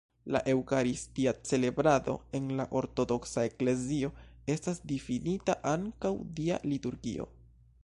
La eŭkaristia celebrado en la Ortodoksa Eklezio estas difinita ankaŭ Dia liturgio.